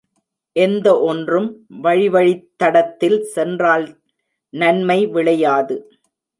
எந்த ஒன்றும் வழிவழித் தடத்தில் சென்றால் நன்மை விளையாது.